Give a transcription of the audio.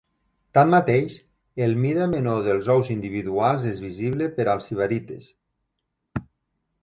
Tanmateix, el mida menor dels ous individuals és visible per als sibarites.